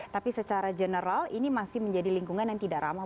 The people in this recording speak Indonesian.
tapi secara general ini masih menjadi lingkungan yang tidak ramah